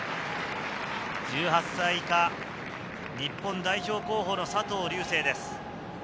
１８歳以下日本代表候補の佐藤瑠星です。